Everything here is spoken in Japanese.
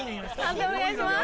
判定お願いします。